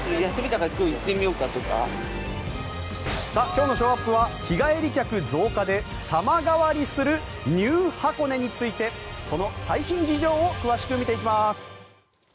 今日のショーアップは日帰り客増加で様変わりするニュー箱根についてその最新事情を詳しく見ていきます。